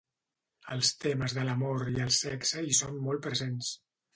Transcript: Els temes de l'amor i el sexe hi són molt presents.